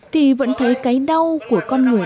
thì vẫn thấy cái đau của con người